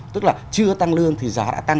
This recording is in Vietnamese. tức là chưa tăng lương thì giá đã tăng